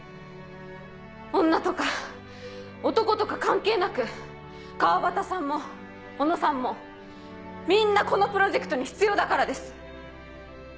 女とか男とか関係なく川端さんも小野さんもみんなこのプロジェクトに必要だからです！